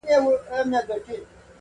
سپینه آیینه سوم له غباره وځم,